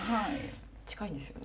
近いんですよね。